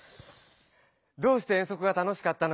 「どうして遠足が楽しかったのか？」